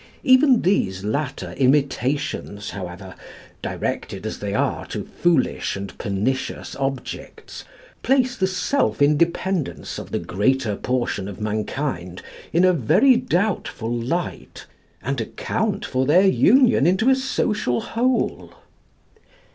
Even these latter imitations, however, directed as they are to foolish and pernicious objects, place the self independence of the greater portion of mankind in a very doubtful light, and account for their union into a social whole.